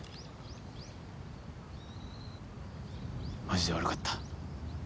マジで悪かった。